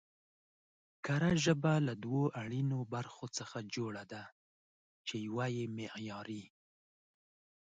کره ژبه له دوو اړينو برخو څخه جوړه ده، چې يوه يې معياري